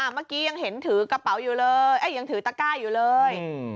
เมื่อกี้ยังถือตะกร้าอยู่เลย